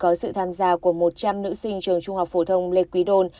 có sự tham gia của một trăm linh nữ sinh trường trung học phổ thông lê quý đôn